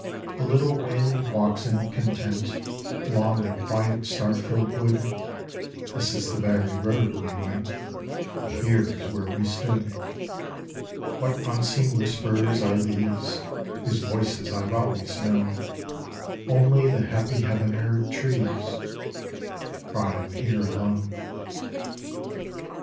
A little wind walks in content Along the quiet star filled wood. This is the very road we went And here is where we stood. What unseen whisperers are these Whose voices I have always known? Only the happy heaven heard trees, For I am here alone.